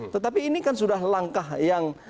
tetapi ini kan sudah langkah yang